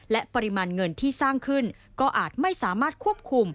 และปริมาณเงินที่สร้างขึ้นก็อาจไม่สามารถควบคุม